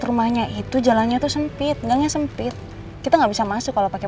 terima kasih nek risma putri